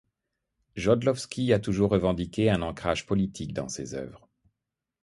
Jodlowski a toujours revendiqué un ancrage politique dans ses œuvres.